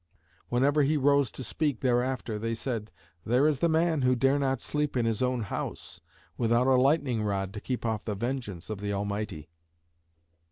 Whenever he rose to speak thereafter, they said, 'There is the man who dare not sleep in his own house without a lightning rod to keep off the vengeance of the Almighty.'"